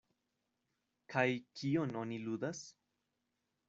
Kaj kion oni ludas?